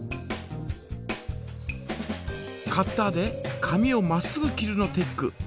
カッターで紙をまっすぐ切るのテック。